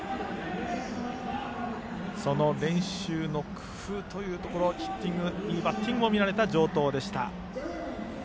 その練習の工夫というところヒッティングいいバッティングも見られた城東でした。